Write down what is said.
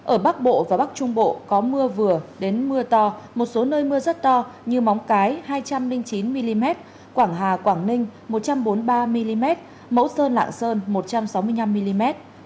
ở bắc bộ và bắc trung bộ có mưa vừa đến mưa to một số nơi mưa rất to như móng cái hai trăm linh chín mm quảng hà quảng ninh một trăm bốn mươi ba mm mẫu sơn lạng sơn một trăm sáu mươi năm mm